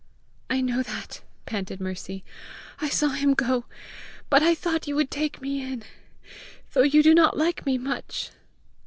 "I know that," panted Mercy. "I saw him go, but I thought you would take me in though you do not like me much!"